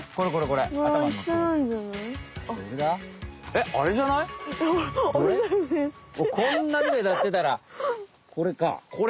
こんなにめだってたらこれか。